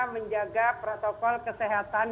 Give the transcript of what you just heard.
menjaga protokol kesehatan